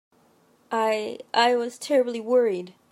I—I was terribly worried.